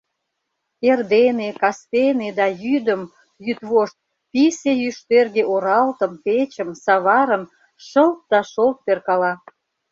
Эрдене, кастене да йӱдым йӱдвошт писе Йӱштэрге оралтым, печым, саварым шылт да шолт перкала.